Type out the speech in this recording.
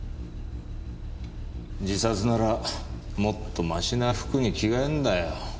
自殺ならもっとマシな服に着替えんだよ。